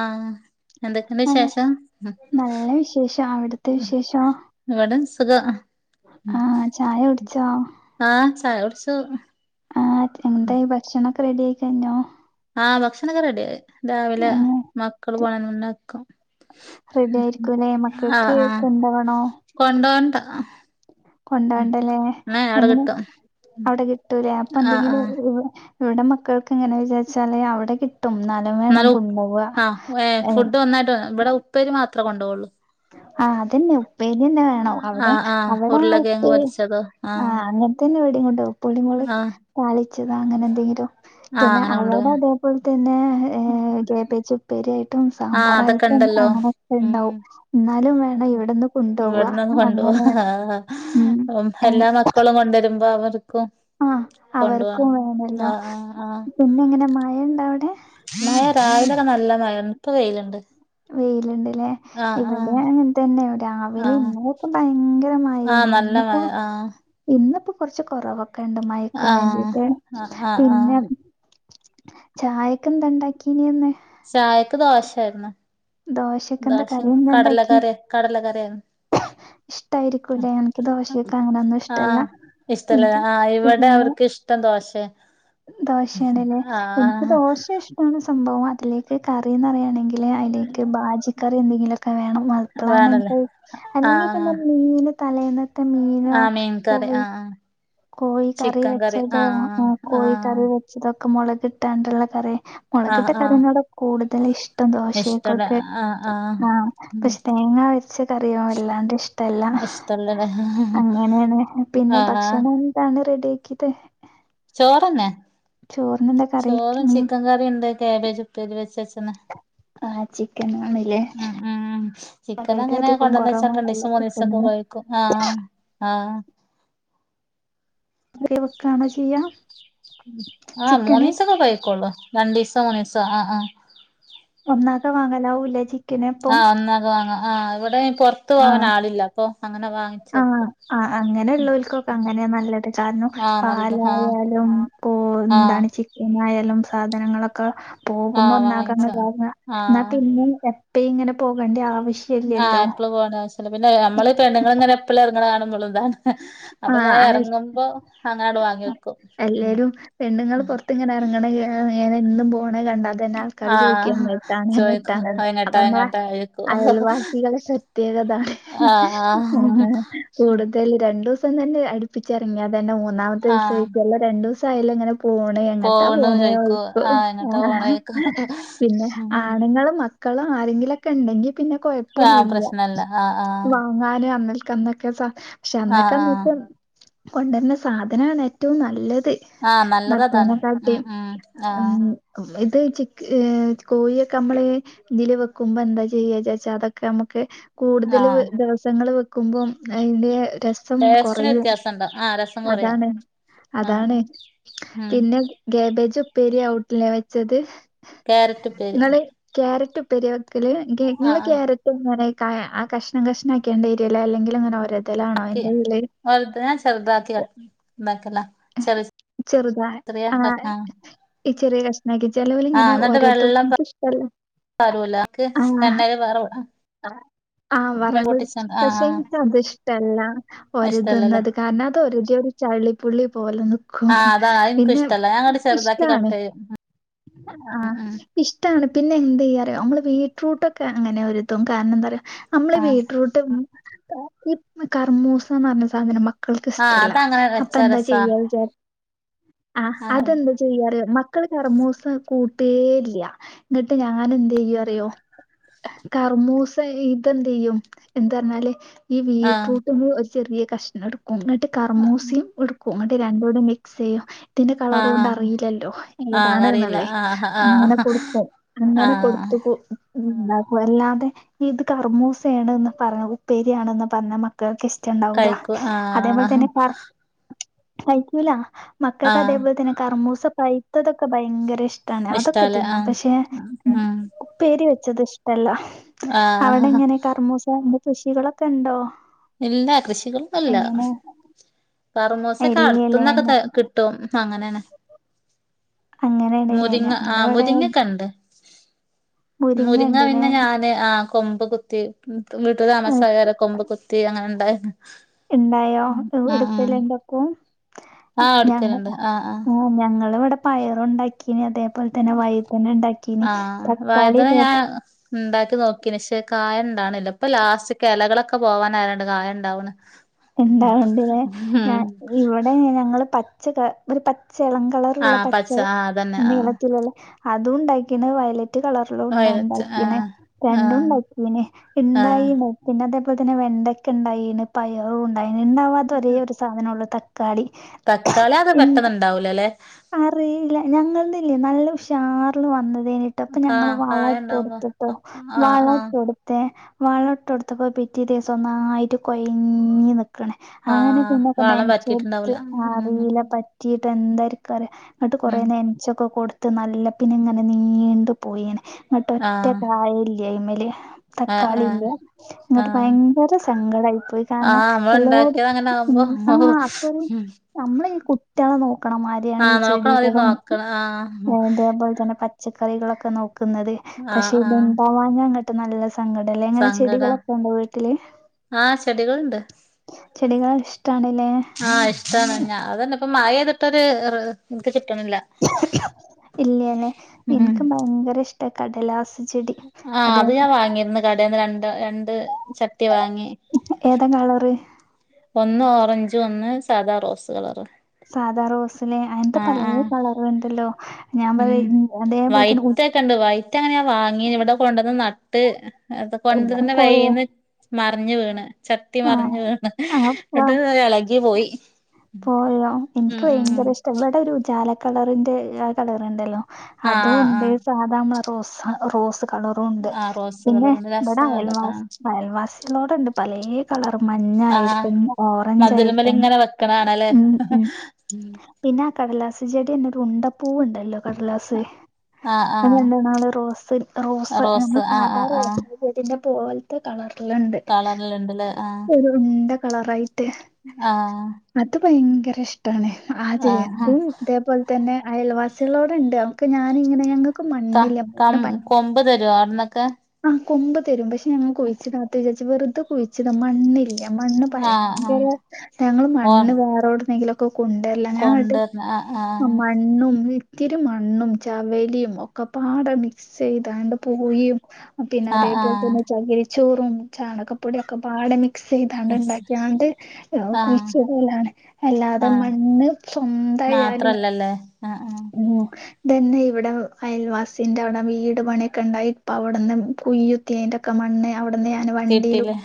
ആഹ എന്തൊക്കെയുണ്ട് ആഹ് വിശേഷം നല്ല വിശേഷം അവിടുത്തെ വിശേഷോ ഇവിടെ ുക ആഹ് ചായ കുടിച്ചോ [unintelligible] ആഹ് ചായ കുടിച്ച് ആഹ എന്തായ് ഭക്ഷണൊക്കെ റെഡി ആയി കഴിഞ്ഞോ ആഹ് ഭക്ഷണക്കെ റെഡിയായി രാവിലെ ഉം മക്കള് പോണ മുന്നേവെക്കും റെഡി ആയിരിക്കുംല്ലേ ആഹ് മക്കൾക്ക് ആഹ് കൊണ്ടകണോ? കൊണ്ടോണ്ട കൊണ്ടണ്ടല്ലേ ന്നാ അവിടെ എങ്ങനെ--? കിട്ടും അവിടെ കിട്ടൂലേ അപ്പൊ ആഹ് എന്തെങ്കിലും ആഹ് ഇവിടെ മക്കൾക്ക് എങ്ങനെ വിചാരിച്ചാലേ അവിടെ എന്നാലും വേണം എന്നാല ഉ് കൊണ്ടോവാ ആ ഏ ഏഹ് ഫുഡ് ഒന്നായിട്ട് ഇവിടെ ഉപ്പേരി മാത്രമേ കൊണ്ടുപോുള്ളൂ ആ അതെന്നെ ഉപ്പേരി തന്നെ വേണോ അവിടെ ആഹ് ആഹ് അവിടെ ആ ഉരുളക്കിഴങ്ങ് ഉപ്പേ പൊരിച്ചതോ ആഹ് അങ്ങനത്തന്നെ ഇവിടേം പുളി ആഹ് [unintelligible] താളിച്ചതാ അങ്ങനെ എന്തെങ്കിലും ആഹ് പിന്നെ അങ്ങനെ അവടെ കൊണ്ടോവാ അതേപോലെ പിന്നെ കാബേജ് ഉപ്പേരിായിട്ടും ആഹ് അതൊക്കെ സാമ്പാറായിട്ടും ഇണ്ടല്ലോ അങ്ങനെൊക്കെ ഉം ഉണ്ടാവും എന്നാലും വേണം ഇവിടെന്ന് കൊണ്ടു പോവാ അങ്ങനെ ഉം എ എല്ലാ മക്കളും കൊണ്ടുവരുമ്പോ അവരും ആഹ് കൊണ്ട പോോ അവർക്കും വേണല്ലോ. ആ ആഹ പിന്നെ എങ്ങനെ [unintelligible] മഴണ്ടോ അവിടെ? മഴ രാവിലെവരെ നല്ല മഴ ഇപ്പ വെയിലുണ്ട് വെയിലുണ്ട്ല്ലേ ആഹ് ഇവിടെ ആഹ് അങ്ങനെ തന്നെ രാവിലെ ആഹ് ഇന്നലൊക്കെ ഭയങ്കര ആഹ് മയാണ് നല്ല ഇന്നിപ്പോ മഴ ആഹ് ഇന്നിപ്പോ കുറച്ച് കുറവൊക്കെ കണ്ട് മയക്ക ആഹ് വേണ്ടിട്ട് ആഹ് ആഹ് ആഹ് പിന്നെ ചായക്കു എന്താ ഉണ്ടാക്കീന്നെന്ന് ചായക്ക് ദോശായിരുന്നു ദോശക്കെന്താ ദോഷിം കറി കടല കറി കടല കറി ഇഷ്ടായിരിക്കൂല്ലേ എനിക്ക് ദോശയൊക്കെ അങ്ങനൊന്നും ഇഷ്ടല്ല ആഹ് ഇഷ്ടല്ല എനിക്കും ആഹ് ഇവിടെ ഇഡ്ഡലിയാ അവർക്ക് ഇഷ്ടം ദോഷ ദോശയാണല്ലേ എനിക്ക് ആഹ് ദോശ ഇഷ്ടമാണ് സംഭവം അതിലേക്ക് കറിന്ന്റിയയാണെങ്കിൽ അതിലേക്ക് ബാജിക്കറി എന്തെങ്കിലൊക്കെ ക്കെ വേണം വേണല്ലേ മപ്പളാണെങ്കി അല്ലെങ്കിൽ ആഹ് പിന്നെ മീൻ തലേന്ന് ത മീനോ ആഹ് മീൻ കോ കറി [unintelligible] ആഹ് കോഴി കറി ചിക്കൻ വെച്ചതോ ആഹ് ആ കോഴി ആഹ് കറി വെച്ചതൊക്കെ മുളകിട്ടാണ്ടുള്ള കറി മുളകിട്ട ആഹ് ആഹ് കറിനോട് കൂടുതൽ ഇഷ്ടം ഇഷ്ടല്ല ദോശയേക്കൊക്കെ ആഹ് ആഹ് ആഹ ഉം പക്ഷെ തേങ്ങ വ പച്ച കറിയ വല്ലാണ്ട് ഇഷ്ടല്ല ഇഷ്ടള്ളത് അങ്ങനെയാണ് പിന്നെ ആഹ് ാണ് [unintelligible] റെഡി ആക്കിയട്ട ചോറന്നെ കറി? ചോറും മീൻ ചിക്കൻ കറിയും ഉണ്ട് കാബേജ് ഉപ്പേരി വെച്ച ആഹ ചിക്കൻ ആണ് ഉം ഉം ചിക്കൻ അങ്ങനെ കൊണ്ടന്ന വെച്ചാ കുറവാണല്ലോ രണ്ടൂസം മൂന്നൂസംക്കെ കിട്ടുന്നത് ഉപയോഗിക്കും ആ ആഹ അ വെക്കണോ ചെയ്യാ [unintelligible] [unintelligible] ആഹ് മൂന്ന് ചിക്കന് ദിവസം ഒക്കെ കൈക്കൊള്ളു രണ്ട് ദിവസ മൂന്ന് ദിവസ ആഹ ആഹ ഒന്നാകെ വാങ്ങലാവുംല്ലേ ചി ആഹ് ഒന്നാക്കെ വാങ്ങാം ആഹ് ഇവിടെ പൊറത്തു പോവാൻ ആഹ് ആളില്ല അപ്പൊ അങ്ങനെ വാങ്ങിച്ച് വെക്കും അങ്ങനെ ഉള്ളവർക്കൊക്കെ അങ്ങനെ നല്ലത് കാരണം ആഹ് നല്ലത് ആഹ് പാലായാലും പ്പോ ആഹ് എന്താണ് ചിക്കനായാലും സാധനങ്ങളൊക്കെ പോകുമ്പോ ആഹ് ഒന്നാക്കൻ വാങ്ങിച്ച വാങ്ങാ ന്നാ ആഹ് പിന്നെ എപ്പഴും ഇങ്ങനെ പോകേണ്ട ആവശ്യം ഇല്ലല്ലോ പോ പിന്നെമ്മള് പെണ്ങ്ങൾ ഇങ്ങനെ എപ്പോഴും ഇറങ്ങണ കാണുമ്പോും എതാണ് [unintelligible] അപ്പൊ ആഹ് ഞാൻ അത് ഇറങ്ങുമ്പോ അങ്ങനങ്ങട്ട് വാങ്ങി വെക്കും അങ്ങനങ്ങനും പോ [unintelligible] കണ്ടാൽതന്നെ ആൾക്കാർ ചോദിക്കും ആഹ് എങ്ങട്ടാണ് ചോയിക്കും എങ്ങട്ടാണ്ന്ന് അത് എങ്ങട്ടാ അമ്മെളെ എങ്ങട്ടാ ചോയിക്കും അയൽവാസികള് [unintelligible] പ്രത്യേകതാണ് ആഹ് ആഹ് കൂടുതൽ രണ്ട് ദിവസം തന്നെ അടുപ്പിച്ചിറങ്ങിയാ തന്നെ. മൂന്നാമത്തെ ദിവസം ആഹ് ചോയിക്കും അല്ല രണ്ടൂസായല്ലോ ഇങ്ങനെ പോണേ എങ്ങട്ടാ പോവ്ണു പോണേ ചോയിക്കും യിക്കും. ആഹ് എങ്ങട്ടാ പോണേ ചോയിക്കും പിന്നെ ഉം ആണ്ങ്ങളും മ ക്കള്, ആരെങ്കിലൊക്കെ ണ്ടെങ്കി പിന്നെ ആഹ് കൊയപ്പൊന്നുല്ല. പ്രശ്നല്ല ആഹ് ആഹ് വാങ്ങാന് അങ്ങ ന്നൊക്കെസ. പക്ഷെ അന്നൊക്കെ ആഹ് അന്ന ആഹ് ക്ക് കൊണ്ടര്ണ സാധനാണ് ഏറ്റവും നല്ലത്. ത്ത്. ആഹ് മത്തേനെ നല്ലതതാണ് കാട്ടി. ഉം ഉം ആഹ് ഉം അത് ച്ചിക് കോയിയൊക്കെ മ്മള് ഇതില് വെക്കുമ്പോ എന്താ ചെയ്യാ ജാച്ച അതൊക്കെ നമക്ക് കൂടുതൽ ആഹ് ദിവസങ്ങള് വെക്കുമ്പോം അതിന്റെ ര രസം ടേസ്റ്റിന് കൊറയും. വ്യത്യാസണ്ടാവും ആഹ് രസം കൊറയും അതാണ്. അതാണ്. ആഹ് ഉം പിന്നെ കാബേജ് ഉപ്പേരി ഔട്ടിലെ വെച്ചത്. ക്യാരറ്റ് ഉപ്പേരി ങ്ങള് ക്യാരറ്റ് ഉപ്പേരിയാ വെക്കല്. ആഹ് ങ്ങള് ആഹ് ക്യാരറ്റ് ങ്ങനെ? ആ കഷ്ണം കഷ്ണം ആക്കിയാ ണ്ട്‌ എരിയല, അല്ലെങ്കിൽ ങ്ങനെ ഒരതലാ ക്കെ. വർധന ശർധാക്കി ക ചെറുതാ ചെറിയ ആ ആഹ് ഈ ചെറിയ നക്ക് ചെലവല് ഇങ്ങനെ ഒരതും ഇൻക്ക് ഇഷ്ടല്ല. ക്കാരുല്ല ക്ക് രണ്ടായിരം വേറെ വ ആഹ് വറവ് പക്ഷെ ൻക്ക് അത്ഷ്ടല്ല. ഇഷ്ടല്ലല്ലേ ഒരതുന്നത് കാരണം അതൊരതിയ ചള്ളിപ്പുള്ളി പോലെ നിക്കും. ആഹ് അതാണ് അത് ഇൻക്കും പിന്നെ ഇഷ്ടല്ല ഞാൻ ഇങ്ങട്ട് ചെറുതാക്കി ഇഷ്ടാണ്. കട്ട് ചെയ്യും ആ ഉം ഉം ഇഷ്ടാണ്. പിന്നെ എന്ത് യ്യാ നമ്മള് വീട്ട്റൂട്ടൊക്കെ അങ്ങനെ ഒരതും കാരണം എന്താറയാ നമ്മള് ബീടറൂട്ട് കർമൂസാന്ന് റഞ്ഞ സാധനം മക്കൾക്ക് ആഹ് ഇസ്തല്ല അതങ്ങനെ അപ്പൊ വെച്ചാ എന്താ രസാ ചെയ്യാ വിചാ ആ അങ്ങ അതെന്താ ചെയ്യാ? മക്കള് കറമൂസ കൂട്ടേ ഇല്ല. ന്നിട്ട് ഞാനെതെയ്യും അറിയോ? കർമൂസ ഇതെന്ത് യ്യും ഇത് പറഞ്ഞാല് ഈ ആഹ് വിട്രൂട്ട് മ്മള് ഒരു ചെറിയ കഷ്ണം ട്ക്കും എന്നിട്ട് കർമൂസീം ഇട് ക്കും ന്ന്ട്ട് രണ്ടൂടെ മിക്സ് യ്യും. ത്തിന്റെ കളറ് കൊണ്ട് ആഹ് അറിയില്ലല്ലോ ആഹ് കറിയില്ല ഏതാണ്ന്ന്ള്ളേ ആഹ് അങ്ങനെ ആഹ് കൊടുക്കും. അങ്ങനെ കൊടു ആഹ് ക്കു ഉം. അല്ലാതെ ഇത് കറമൂസയാണ്ന്ന് പറഞ്ഞ ഉപ്പേരിയാണന്ന് പറഞ്ഞാൽ മക്കൾക്ക് ഇഷ് ണ്ടാവൂല കഴിക്കൂ അതേപോലെ ആഹ് തന്നെ പ കയിക്കൂല മക്കൾക്ക് ആഹ് അതേപോലെ തന്നെ കർമൂസ പൈത്തതൊക്കെ ഭയങ്കര ഇഷ് ടാണ് അതൊക്കെ ഇഷ്ടാല്ലേ തിന്നും. ആഹ് പക്ഷെ ഉം ഉപ്പേരി വെച്ചത് ഇഷ്ടല്ല. അവിടെ ആഹ് ഇങ്ങനെ കർമ്മൂസന്റെ കൃ ഷികളൊക്കെ ണ്ടോ? ഇല്ല. കൃഷികളൊന്നും ല്ല. കറമൂസൊക്കെ ഇല്ലല്ലേ അടുത്തന്നൊക്കെ ത ഞ- കിട്ടും അങ്ങനെണ്. അങ്ങനെയണല്ലേ? മുരിങ്ങ ആ ഞങ്ങളിവിടെ മുരിങ്ങൊക്കെ ഉണ്ട് മുരിങ്ങ പിന്നെ ഞാന് ആ കൊമ്പ് കുത്തി, വീട്ടില് ഏഹ്, താമസായരെ കൊമ്പ് കുത്തി അങ്ങനെ ഇണ്ടായിണ് ഇണ്ടായോ എടുത്തെല്ലാ ഉണ്ടാക്കും? ഞങ്ങ ആ ഞങ്ങള് ഇവിടെ പയറുണ്ടാക്കീനി അതെ അതുപോലെ തന്നെ വഴതന ഇണ്ടാക്കീനി ആ തക്കാളി തെ നോക്കി ശ്ശെ കായ ണ്ടാണില്ല. ഇപ്പൊ ലാസ്റ്റ്ക്ക്‌ എലകളൊക്കെ പോകാനയേ ണ്ട് കായ ഇണ്ടാവ്ണ്. എന്താണ്ട്ല്ലെ ഞ ഇവിടെ ഞങ്ങള് പച്ച ത ചെളം ആ കളറ്ള്ള പച്ച ആ അതന്നെ ആ നീളത്തിലുള്ള, അതും ഉണ്ടാക്കീണ് വയല റ്റ് കളറിലൂള്ള വയലറ്റ് ആ ണ്ടാക്കീന്. ആ രണ്ടും ണ്ടാക്കീന്. ആ ഇണ്ടായിന്നു പിന്നെ അതെ തുപോലെ തന്നെ വെണ്ടക്ക ണ്ടായിന്, പയറും ഇണ്ടായിന്. ണ്ടാവാതത്ത ഒരേ ഒരു സാധനേ ഒള്ളൂ തക്ക ക്കാളി. തക്കാളി അത് ഇ പെട്ടെന്ന് ഇണ്ടാവൂലല്ലേ അറിയില്ല. ഞങ്ങളത് ല്ലേ നല്ല ഉഷാറിൽ വന്ന് തേനിട്ടൊ, അപ്പൊ കാ ഞങ്ങള് കായ വളം ഉണ്ടാവുമ്പോ ട്ടൊടുത്തുട്ടോ, ആഹ് വളം ആഹ് ട്ടോടുത്തെ വാള ട്ടൊട്ത്ത പ്പോ പിറ്റേദിവസം ഒന്നായിറ്റ് കൊയ ക്ക്ണ അങ്ങനെ ആഹ് പിന്നെക്കെ വളം നനചോട്ത്ത്, പറ്റിയിട്ടുണ്ടാവൂല ഉം അറില്ല പറ്റീട്ട് എന്തായിരിക്കും അറിയ ന്നിട്ട് കൊറേ ഉം നെനച്ചൊക്കെ കൊടുത്ത്. നല്ല പിന്നെ ഇങ്ങനെ നീണ്ടു പോയിനെ ആഹ് മട്ടൊറ്റക്കായ ഇല്ലയ ഇമേല്. ആഹ് തക്കാളി ഇല്ല ആഹ് എന്നിട്ട് ആഹ് ഭയങ്കര സങ്കടായി പോയി. കാരണം ആഹ് നമ്മള് എള്ള ഉണ്ടാക്കിയത് അങ്ങനെ ഉ ആവുമ്പോ ആ അത്ര നമ്മള് ഈ കുട്ടിയാളെ നോ ക്കണമാരിയാണ് ഈ ആഹ് നോക്കണം അത് ചെടികളും നോക്കണം ആഹ് അതേപോലെ തന്നെ പ ച്ചക്കറികളൊക്കെ നോക്കുന്നത് ആഹ് പക്ഷേ ആഹ് ഇത്ണ്ടാവാ ങ്ങോട്ട് നല്ല സങ്കടം അല്ലേ എങ്ങനെ സങ്കട ചെടികളൊക്കെ ഉണ്ടോ വീട്ടില്. ഇണ്ട്. ചെടികൾ ഇഷ്ടാണല്ലേ ആ ഇഷ്ടാണ് ഞ ആ അതന്നെ ഇപ്പ മയയെതിട്ട് ഒരു [unintelligible] ഇല്ലല്ലെ ഉം എനിക്ക് ഭയങ്കര ഇഷ്ട കടലാസ്. ചെടി ആഹ് അതെ അത് ഞാൻ വാങ്ങിന്ന് കടയിൽന്ന് ര രണ്ട് ച ഏതാ കളറ്? ഒന്ന് ഓറഞ്ച് ഒന്ന് സാധാ റോസ് കളറ്. സാധാ റോസിലെ അയിത്തെ പല ആഹ് ആഹ് കളറുണ്ടല്ലോ? ഞാൻ പറ ഇ വൈറ്റ് ഒക്കെ ഉണ്ട്. വൈറ്റ് അങ്ങനെയാ വാങ്ങി ഇവിടെ കൊണ്ടുവന്ന് നട്ട്. അ തന്നെ കൊണ്ടന്നെ [unintelligible] കൊ വൈ ന്ന് മറിഞ്ഞു വീണ് ചട്ടി ആ മറിഞ്ഞു വീണ്. ആ എന്നട്ട് ഇളകി പോയി. പോയോ. ഉം എനിക്ക് ഉം ഉം ഭയങ്കര ഇഷ്ടം ഇവിടെ ഒരു ഉജാല കളറിന്റെ ആ കളറിണ്ടല്ലോ ആഹ് ആഹ് അതുണ്ട്. ആഹ് സാധാ മ്മള റോസ റോസ്. കളറുണ്ട് ആ റോസ് പിന്നെ കളറുണ്ട് ഇവിടെ രസാണല്ലോ അയൽവാസി കാണാൻ അയൽവാസി കളോടെണ്ട് പല ക ളർ ആഹ് മഞ്ഞായിട്ടും, ഓറഞ്ച്, മതിലുമ്മല് ആായിട്ടും ഇങ്ങനെ വെക്കണ കാണാല്ലേ ഉ ഉ പിന്നെ ആ കടലാസ് ചെടിന്നെ ഒരു ഉണ്ടപ്പൂവ ഉണ്ടല്ലോ കടലാസ്. ആഹ് ആഹ് [unintelligible] റോസ് റോസ് നമ്മ ആഹ് സാധാ ആഹ് ആഹ് റോസ് ചെടിന്റെ പോലത്തെ കളറിലുണ്ട്. കളറിലുണ്ടല്ലേ ആഹ് ഒരു ഉണ്ട കളറായിട്ട്. ആഹ് അത് ഭയങ്കര ഇഷ് ട്ടാണ് ആ ചെ ആഹ് അതും ഇതേപോലെ തന്നെ അയൽവാസികളോടെ ഉണ്ട് അവക്ക് ഞാനിങ്ങനെ ഞങ്ങ ത കൊമ്പ് തരു അവിടന്നൊക്കെ? ആഹ് കൊമ്പ് തരും. പക്ഷെ ഞങ്ങൾ കുഴിച്ചിടാത്ത വിചാരിച്ച വെറുതെ കുഴിച്ചിട മണ്ണില്ല. മണ്ണ് ആഹ് ഭയങ്കര ആഹ് ഞങ്ങൾ ഓ മണ്ണ് വേറെോടുന്നെങ്കിലോ കൊണ്ടല്ല ഞങ്ങോട്ട് കൊണ്ടുവന്ന് ആ ആ മണ്ണും ഇത്തിരി മണ്ണും ചവലിയും ഒക്കെ പാടെ മിക്സ് ചെയ്തണ്ട് പൂയും പിന്നെ ആ ആ അതേപോലെ തന്നെ ചകിരിച്ചോറും. ചാണകപ്പൊടിയും. ഒക്കെ പാട മി ക്സ് ചെയ്തണ്ട് മിക്സ് ഉണ്ടാക്കിയണ്ട്. ആ കുഴിച്ച് ഇടലണ്. അല്ലാതെ ആ മണ്ണ് സ്വന്ത മാത്രല്ലല്ലേ? ആ ആ മ് തന്റെ ഇവിടെ അയൽവാസിന്റെ വടെ വീട് പണിയൊക്കെ ഉണ്ടായി. ഇപ്പ അവിടെന്ന് കുയ്യുത്തിയന്റെ ഒക്കെ മണ്ണ്. അവിട്ന്ന് ഞാൻ വണ്ടിയിലും. കിട്ടീല്ലേ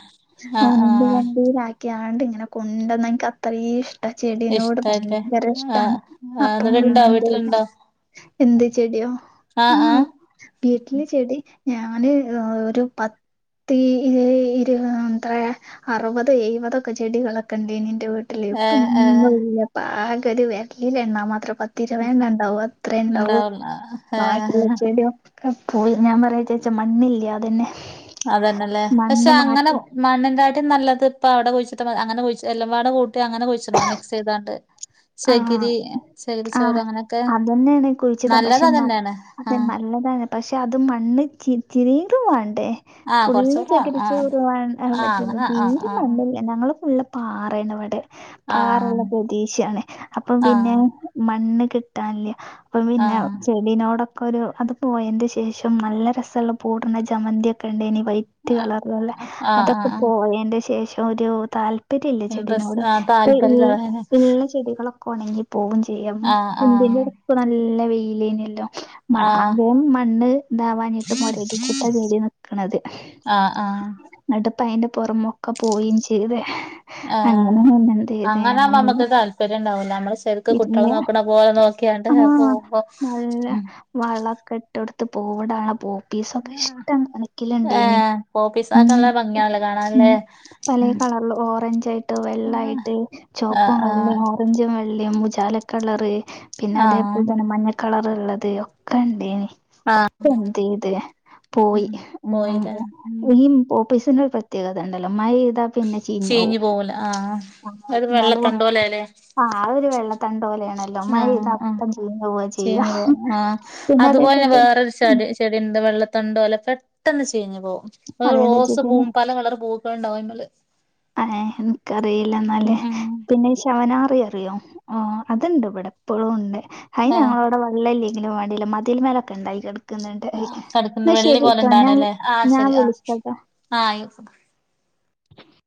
ആ ആ ഉന്ത് വണ്ടിയിലാ ക്കിയാണ്ട് ഇങ്ങനെ കൊണ്ടന്ന് എനിക്ക് അത്രയിം ഇഷ് ട്ട ചെടിനോട് ഇഷ്ടായില്ലേ ഭയങ്കര ഇഷ്ടാണ്. അപ്പ ണണ്ടോ എന്ത് ചെടിയോ? ആഹ് ആഹ് വീട്ടില് ചെടി ഞാൻ ഒരു പ ത്തിരുപ എത്ര അറുപത് എഴപതൊക്കെ ചെടികളൊക്കെ ഉണ്ടനി എന് ന്റെ വീട്ടിൽ ഏ ഏ പ്പന്നുല്ല പ്പാഗ ഒരു വരലിൽ എണ്ണാ മാത്ര പ പത് തിരുവണ്ണണ്ടാവും അത്ര ഉണ്ടാവൂ ഉണ്ടാവുല്ല ഏ ബാക്കി ചെടിയോ ക്കെ പോയി ഞാൻ പറയാ വിചാരിച്ചാ മണ്ണില്ലെ അതന്നെ അതന്നെല്ലേ പക്ഷെ മണ്ണ് അങ്ങനെ മാറ്റി മണ്ണിന്റെ ആട്ടി നല്ലത് ഇപ്പൊ അവിടെ കുഴിച്ചിട്ട മാതിരി അങ്ങനെകുഴിച്ച എല്ലാം കൂട്ടി അങ്ങനെ കുഴിച്ചിട്ന്നാ മിക്സ് ചെയ്താണ്ട്. ആഹ് ചകിരി ആഹ് ചകിരിച്ചോറ് അങ്ങനെയൊക്കെ അതന്നെയാണ് നല്ലത അതന്നെയാണ്. ആഹ് അതാണ് പക്ഷെ അതും മണ്ണ് ഇചിരിച്ചിരി ടെ ആഹ് ഫുള്ള് കൊറച്ചൂടെ ആഹ് ചെകിരിചോറ് വാ ആഹ് പറ്റൂല്ല അങ്ങനെ ആഹ് തീരും ആഹ് മണ്ണല്ല ഞങ്ങള് ഫുള്ള് പാറേണ് വടെ പാറള്ള ആഹ് പ്രദേശാണ് അപ്പം പിന്നെ ആഹ് മണ്ണ് കിട്ടാല്ല അപ്പം പിന്നെ ആഹ് ചെടിനോടൊ ക്കൊരു അത് പോയന്റെ ശേഷം നല്ല രസള്ള പൂട്ണ ജമന്തിയൊക്കെ ണ്ടേനി വൈറ്റ് കളർല്ള്ളെ ആഹ് അതൊക്കെ ആഹ് ആഹ് പോയന്റെ ശേഷം ഒരു താല്പ പര്യല്ല ഇൻട്രസ്റ്റ് ചെടിനോട് ആഹ് ഇപ്പൊ ഈ താല്പര്യല്ല അതാണ് ഇള്ള ഇള്ള ചെടിക ളൊക്കെ ഒണങ്ങി പോവും ഉം ആഹ് പ്പൊ ഇതിന്റെട്ക്ക് നല്ല വെയിലേനിയല്ലോ മ ആഹ് ആദ്യം മണ്ണ് താവാനിട്ട് മൊരടിച്ചിട്ട ചെടി നിക്ക്ണത് ആഹ് ആഹ് ആഹ് ന്ന്ട്ട്പ്പയ്‌ന്റെ പൊറമൊക്കെ പോയീം ചെയ്ത് ഏഹ് അങ്ങനെ തന്നണ്ട് ഇതേ അങ്ങനാവുമ്പോ നമ്മക്ക് [unintelligible] താല്പര്യം ഉണ്ടാവൂല നമ്മള് ശരിക്ക് ഇല്ല കുട്ടികളെ നോക്കണ പോലെ നോക്കിയാണ്ട് ആ പോകുമ്പോ നല്ല വളെക്കെ ഇട്ടൊട് പോവ്ടാണപ്പോ പിസ്സൊക്കൊ ഇഷ്ടം കണക്കിലിണ്ടേനി ഏഹ് പോപ്പീസൊക്കെ ഉം നല്ല ഭംഗിയാണല്ലോ ഉം കാണാനല്ലേ പലേ കള ല്ല ഓറഞ്ചായിട്ട് വെള്ളായിട്ട് ആഹ് ചോപ്പും വെള്ളീം ആഹ് ഓറഞ്ചും വെ ള്ളീം ഉജാലക്കളറ് ആഹ് പിന്നതേപോലതന്നെ മഞ്ഞ കളറ്ള്ളത് ഒക്കെണ്ടേനി ആഹ് ഒക്കെന്തീത് പോയി പോയില്ലേ ഉം [unintelligible] പിസ്സന്റൊരു പ്രത്യേകതണ്ടല്ലോ മൈ ത്ത പിന്നെ ചീഞ്ഞു ചീഞ്ഞോവും പോവൂല ആഹ് ഒരു വെള്ളത്തണ്ട് പോലെല്ലേ ഒരു വെള്ളതണ്ടോലയാണ് ആഹ് ആ ചീഞ്ഞ്പോവും ആ പിന്നെ അത്പോലെന്നെ അതേപോലത്തെ വേറൊരു ഉം ചടി ചെടിണ്ട് വെള്ള തണ്ടോല പെട്ടന്ന് ചീഞ്ഞ് പോവും ഒര് അതേന്ന് റോസ് വെച്ചിട്ടേന് പൂവും പല കളർ പൂക്കള്ണ്ടാവും ഐമ്മല് അ ഏഹ് ഉം ഇൻക്കറീല്ലന്നാല് ഉം പിന്നെ ഇ ശവനാ റി അറിയോ ആ അത്ണ്ട്വ്ടെ ഇപ്പഴുണ്ട് ഐന് ആഹ് ഞങ്ങളവടെ വള്ളല്ലൈ ങ്കിലും വേണ്ടീല മതിൽമലൊക്കണ്ടായിക്ക്‌ണ് ക്ക്‌ന്ന്ണ്ട് ഐ ആഹ് കടക്കുന്ന ന്ന വെള്ളി പോലെ ശരിട്ടോ ഞാൻ ഇണ്ടാണല്ലേ ആഹ് ഞാൻ ശരി ആഹ് വിളിക്കട്ടാ ആഹ് ആയിക്കോട്ടെ [inaudible]